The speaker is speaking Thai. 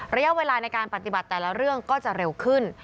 ระยะเวลาในการปฏิบัติแต่ละเรื่องก็จะเร็วขึ้น